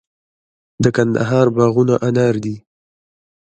د کندهار باغونه انار دي